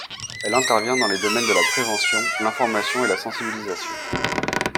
Elle intervient dans les domaines de la prévention, l’information et la sensibilisation.